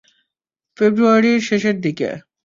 ফেব্রুয়ারির শেষের দিকে।